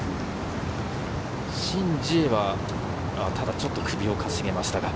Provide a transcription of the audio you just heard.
シン・ジエは、ただちょっと、首をかしげました。